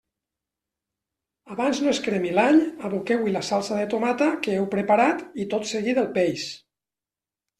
Abans no es cremi l'all, aboqueu-hi la salsa de tomata que heu preparat i tot seguit el peix.